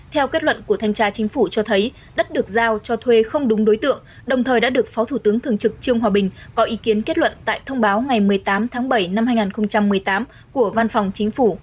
theo kết luận của thanh tra chính phủ cho thấy đất được giao cho thuê không đúng đối tượng đồng thời đã được phó thủ tướng thường trực trương hòa bình có ý kiến kết luận tại thông báo ngày một mươi tám tháng bảy năm hai nghìn một mươi tám của văn phòng chính phủ